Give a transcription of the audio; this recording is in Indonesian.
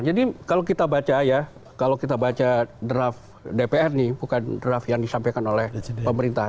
kalau kita baca ya kalau kita baca draft dpr nih bukan draft yang disampaikan oleh pemerintah